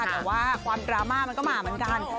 แต่ว่าความดราม่ามันก็มาเหมือนกัน